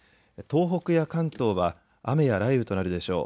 東北や関東は雨や雷雨となるでしょう。